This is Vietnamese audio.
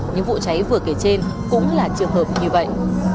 những vụ cháy vừa kể trên cũng là trường hợp như vậy